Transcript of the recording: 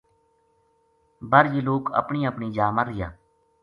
بر یہ لوک اپنی اپنی جا رہیا